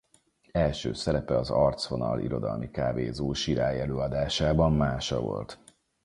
Első szerepe az Arcvonal Irodalmi Kávézó Sirály előadásában Mása volt.